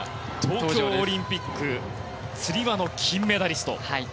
東京オリンピックつり輪の金メダリスト。